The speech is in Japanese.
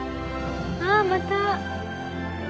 ああまた！